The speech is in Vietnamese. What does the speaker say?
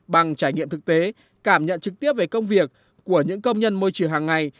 bằng trải nghiệm thực tế cảm nhận trực tiếp về công việc của những công nhân môi trường hàng ngày